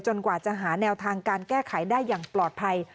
กว่าจะหาแนวทางการแก้ไขได้อย่างปลอดภัย